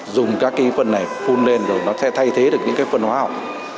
dùng các cái phân này phun lên rồi nó sẽ thay thế được những cái phần hóa học